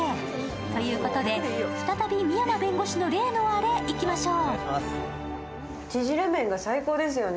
ということで、再び深山弁護士の例のアレ、いきましょう。